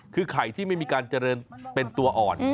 คือไข่ที่ไม่มีการเจริญเป็นตัวอ่อน